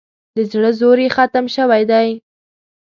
د زړه زور یې ختم شوی دی.